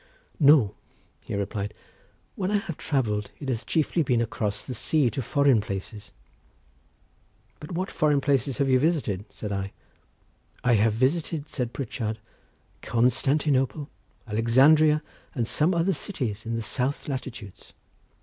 "No," he replied. "When I have travelled it has chiefly been across the sea to foreign places." "But what foreign places have you visited?" said I. "I have visited," said Pritchard, "Constantinople, Alexandria, and some other cities in the south latitudes."